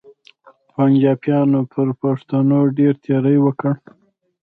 پنچاپیانو پر پښتنو ډېر تېري وکړل.